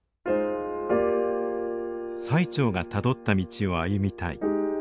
最澄がたどった道を歩みたい。